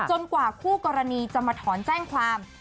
กว่าคู่กรณีจะมาถอนแจ้งความ